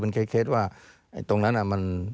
เป็นเคล็ดว่าตรงนั้นอ่ะ